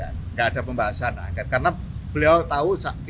tapi pegawai akan tetap berusaha ada dalam kabupaten pemerintahan atau tidak